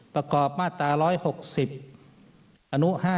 ประกอบมาตรา๑๖๐อนุ๕